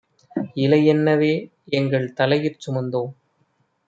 இலைஎன்ன வேஎங்கள் தலையிற் சுமந்தோம்.